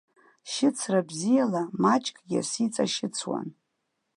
Шьыцра бзиала, маҷкгьы сиҵашьыцуан.